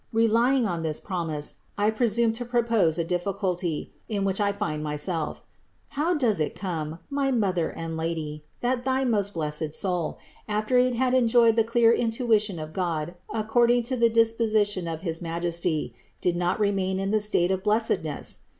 Relying on this promise I presume to propose a difficulty, in which I find myself : How does it come, my Mother and Lady, that thy most blessed soul, after it had enjoyed the clear intuition of God accord ing to the disposition of his Majesty, did not remain in the state of blessedness?